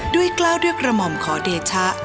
กล้าวด้วยกระหม่อมขอเดชะ